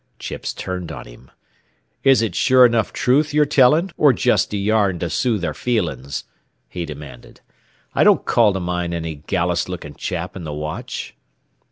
Chips turned on him. "Is it sure 'nuff truth ye're tellin', or jest a yarn to soothe our feelin's?" he demanded. "I don't call to mind any gallus lookin' chap in th' watch."